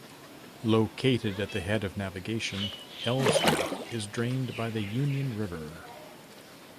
Located at the head of navigation, Ellsworth is drained by the Union River.